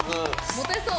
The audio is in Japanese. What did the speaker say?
モテそう！